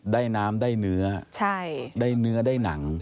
ได้น้ำได้เนื้อได้เนื้อได้หนัง